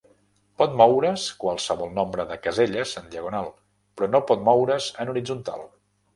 Pot moure's qualsevol nombre de caselles en diagonal, però no pot moure's en horitzontal.